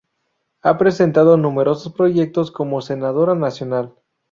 Ha presentado numerosos proyectos como Senadora Nacional.